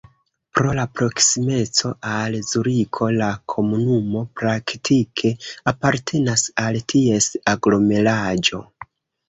Pro la proksimeco al Zuriko, la komunumo praktike apartenas al ties aglomeraĵo.